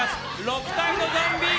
６体のゾンビ。